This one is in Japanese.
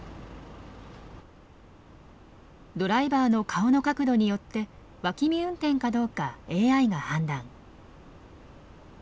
ドライバーの顔の角度によって脇見運転かどうかＡＩが判断。